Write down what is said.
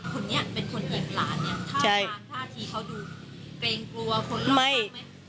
คนนี้เป็นคนเด็กหลานเนี่ยท่าทางท่าทีเขาดูเกรงกลัวคนเล่ามากมั้ย